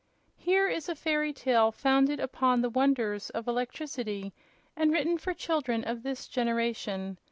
Here is a fairy tale founded upon the wonders of electricity and written for children of this generation.